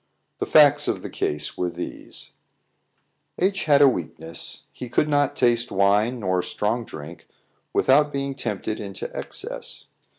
The facts of the case were these: H had a weakness; he could not taste wine nor strong drink without being tempted into excess.